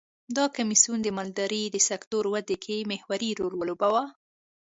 دا کمېسیون د مالدارۍ د سکتور ودې کې محوري رول ولوباوه.